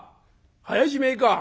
早じめえか。